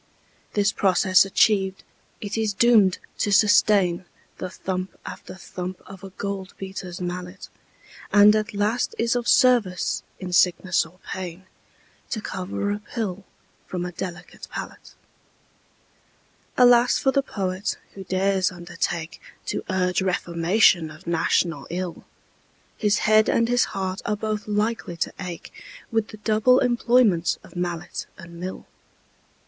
This process achiev'd, it is doom'd to sustain The thump after thump of a gold beater's mallet, And at last is of service in sickness or pain To cover a pill from a delicate palate. Alas for the Poet, who dares undertake To urge reformation of national ill! His head and his heart are both likely to ache With the double employment of mallet and mill.